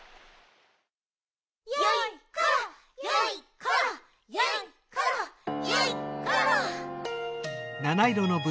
よいコロよいコロよいコロよいコロ。